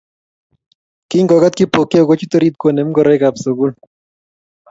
Kingokat Kipokeo kochut orit konem ngoroikab sukul